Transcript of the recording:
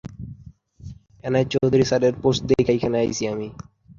এখানে সমস্ত পরিসংখ্যান আন্তর্জাতিক ডলারে দেয়া হয়েছে।